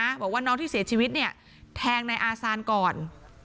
บอกว่าน้องที่เสียชีวิตเนี่ยแทงนายอาซานก่อน